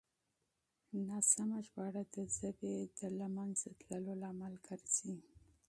ناسمه ژباړه د ژبې د له منځه تللو لامل ګرځي.